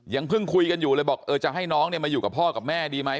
ยังเพิ่งคุยกันอยู่เลยบอกเออจะให้น้องเนี่ยมาอยู่กับพ่อกับแม่ดีไหม